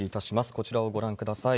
こちらをご覧ください。